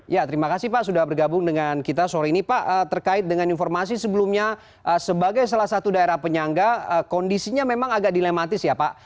ya terima kasih pak sudah bergabung dengan kita sore ini pak terkait dengan informasi sebelumnya sebagai salah satu daerah penyangga kondisinya memang agak dilematis ya pak